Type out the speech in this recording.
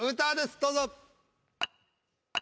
どうぞ。